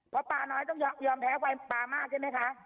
เพราะปลาน้อยต้องยอมแพ้ปลามากใช่ไหมคะ